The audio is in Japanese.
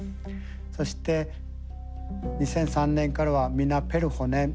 そして２００３年からは「ミナペルホネン」。